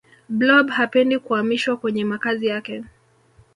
blob hapendi kuamishwa kwenye makazi yake